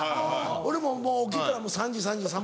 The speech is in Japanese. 俺ももう起きたら３時３３分。